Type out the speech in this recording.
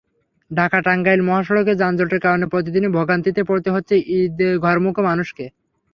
ঢাকা-টাঙ্গাইল মহাসড়কের যানজটের কারণে প্রতিদিনই ভোগান্তিতে পড়তে হচ্ছে ঈদে ঘরমুখো মানুষকে।